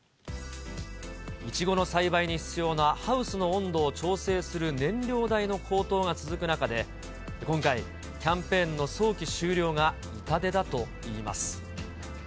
いちごの栽培に必要なハウスの温度を調整する燃料代の高騰が続く中で、今回、キャンペーンの早期終了が痛手だといいます。